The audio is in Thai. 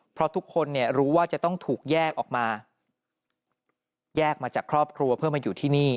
เพราะทุกคนเนี่ยรู้ว่าจะต้องถูกแยกออกมาแยกมาจากครอบครัวเพื่อมาอยู่ที่นี่